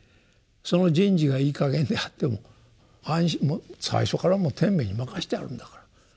その人事がいいかげんであっても最初からもう天命に任してあるんだから。